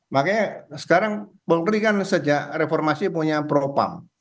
makanya sekarang polri kan sejak reformasi punya propam